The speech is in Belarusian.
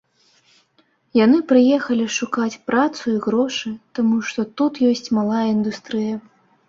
Яны прыехалі шукаць працу і грошы, таму што тут ёсць малая індустрыя.